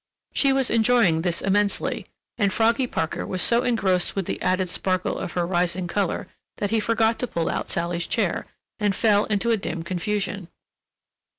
She was enjoying this immensely, and Froggy Parker was so engrossed with the added sparkle of her rising color that he forgot to pull out Sally's chair, and fell into a dim confusion.